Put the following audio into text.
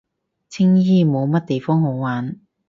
青衣冇乜地方好玩